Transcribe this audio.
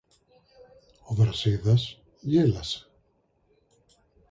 Ο Βρασίδας γέλασε.